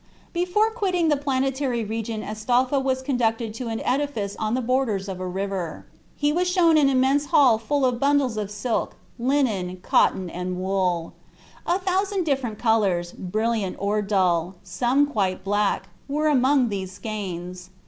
Before quitting the planetary region Astolpho was conducted to an edifice on the borders of a river. He was shown an immense hall full of bundles of silk, linen, cotton, and wool. A thousand different colors, brilliant or dull, some quite black, were among these skeins.